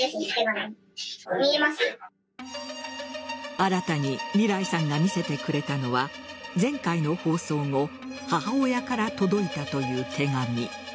新たにみらいさんが見せてくれたのは前回の放送後母親から届いたという手紙。